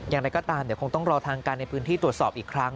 อย่างไรก็ตามเดี๋ยวคงต้องรอทางการในพื้นที่ตรวจสอบอีกครั้ง